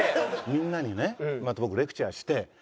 みんなにねまた僕レクチャーして。